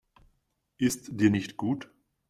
Ist dir nicht gut?